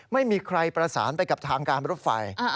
ไม่มีใครประสานไปกับทางการรถไฟ